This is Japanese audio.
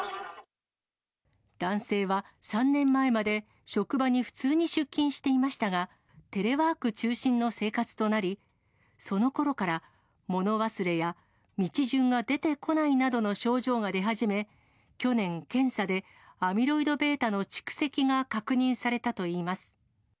男性は、３年前まで職場に普通に出勤していましたが、テレワーク中心の生活となり、そのころから、物忘れや道順が出てこないなどの症状が出始め、去年、検査でアミロイドβの蓄積が確認されたといいます。